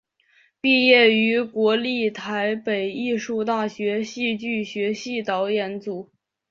毕业于国立台北艺术大学戏剧学系导演组。